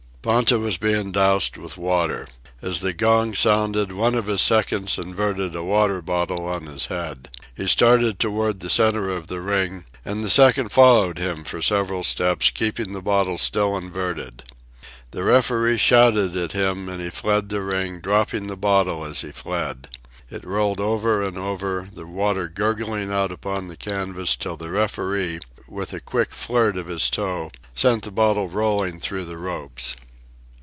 Ponta was being doused with water. As the gong sounded, one of his seconds inverted a water bottle on his head. He started toward the centre of the ring, and the second followed him for several steps, keeping the bottle still inverted. The referee shouted at him, and he fled the ring, dropping the bottle as he fled. It rolled over and over, the water gurgling out upon the canvas till the referee, with a quick flirt of his toe, sent the bottle rolling through the ropes.